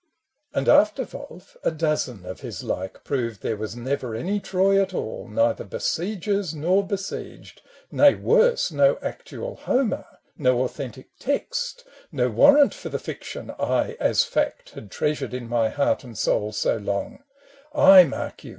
\ And, after Wolf, a dozen of his like Proved there was never any Troy at all, Neither Besiegers nor Besieged, — nay, worse, — No actual Homer, no authentic text, I 128 ASOLANDO: No warrant for the fiction I, as fact, Had treasured in my heart and soul so long — Ay, mark you